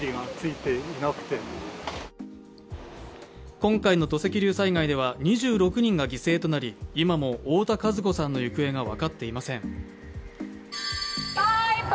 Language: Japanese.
今回の土石流災害では２６人が犠牲となり、今も太田和子さんの行方が分かっていません。